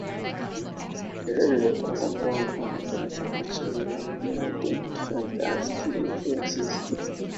The Velvet Underground and Jonathan Richman have been identified as key influences.